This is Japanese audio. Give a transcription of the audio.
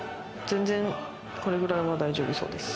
全然これぐらいは大丈夫そうです。